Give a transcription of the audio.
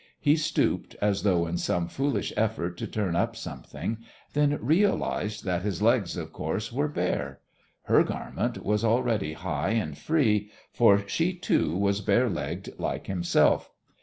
He stooped, as though in some foolish effort to turn up something, then realised that his legs, of course, were bare. Her garment was already high and free, for she, too, was barelegged like himself.